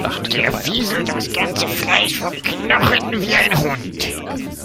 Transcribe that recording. Der fieselt das ganze Fleisch vom Knochen, wie ein Hund.